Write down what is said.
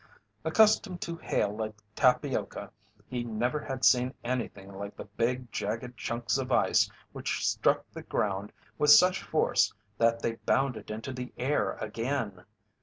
Accustomed to hail like tapioca, he never had seen anything like the big, jagged chunks of ice which struck the ground with such force that they bounded into the air again.